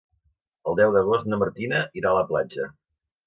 El deu d'agost na Martina irà a la platja.